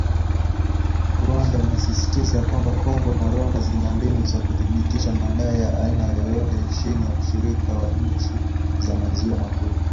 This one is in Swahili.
Rwanda inasisitiza kwamba Kongo na Rwanda zina mbinu za kuthibitisha madai ya aina yoyote chini ya ushirika wa nchi za maziwa makuu.